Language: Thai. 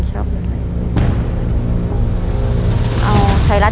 เร็วเร็วเร็ว